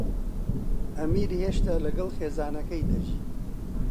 ئەمیر هێشتا لەگەڵ خێزانەکەی دەژی.